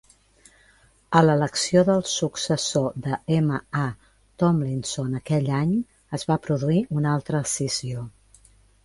A l'elecció del successor de M. A. Tomlinson aquell any, es va produir un altre escissió.